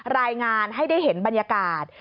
รายงานให้ได้เห็นบรรยากาศ